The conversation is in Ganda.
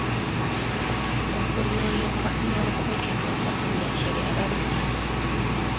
Okulyoyebwa n’okwekebeza bya kyeyagalire.